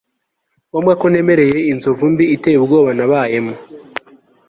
ngombwa ko nemera iyi nzozi mbi iteye ubwoba nabayemo